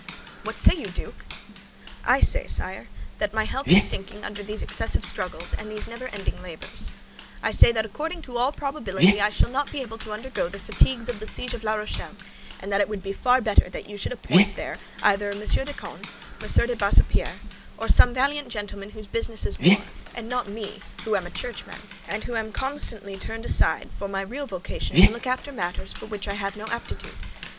"What say you, Duke?" "I say, sire, that my health is sinking under these excessive struggles and these never ending labors. I say that according to all probability I shall not be able to undergo the fatigues of the siege of La Rochelle, and that it would be far better that you should appoint there either Monsieur de Condé, Monsieur de Bassopierre, or some valiant gentleman whose business is war, and not me, who am a churchman, and who am constantly turned aside for my real vocation to look after matters for which I have no aptitude.